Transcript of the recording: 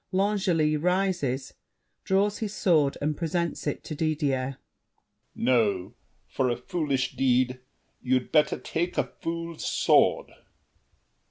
[L'Angely rises, draws his sword and presents it to Didier. L'ANGLEY. No; for a foolish deed, you'd better take A fool's sword!